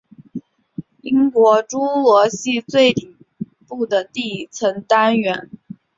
英国侏罗系最顶部的地层单元。